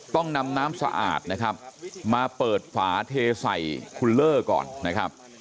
ต้องนำน้ำสะอาดนะครับมาเปิดฝาเทใส่คุณเลอร์ก่อนนะครับ